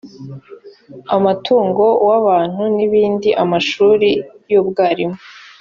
amatungo w abantu n ibindi amashuri y ubwarimu